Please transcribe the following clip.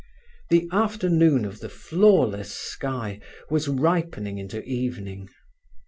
The afternoon of the flawless sky was ripening into evening.